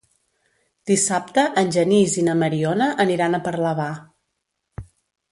Dissabte en Genís i na Mariona aniran a Parlavà.